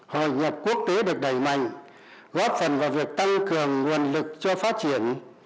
hội nhập quốc tế được đẩy mạnh góp phần vào việc tăng cường nguồn lực cho phát triển